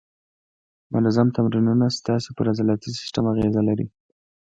منظم تمرینونه ستاسې پر عضلاتي سیستم اغېزه لري.